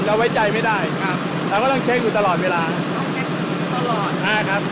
ไว้ใจไม่ได้ครับเราก็ต้องเช็คอยู่ตลอดเวลาต้องคิดตลอดอ่าครับ